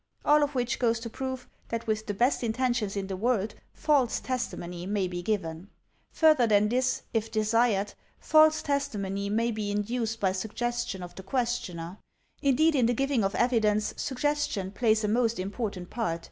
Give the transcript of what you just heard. All of which goes to prove that with the best intentions in the world, false testi mony may be given. Further than this, if desired, false testimony may be in duced by suggestion of the questioner. Indeed in the giving of evidence suggestion plays a most important part.